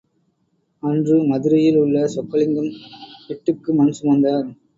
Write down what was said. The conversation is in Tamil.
அன்று மதுரையில் உள்ள சொக்கலிங்கம் பிட்டுக்கு மண் சுமந்தார்.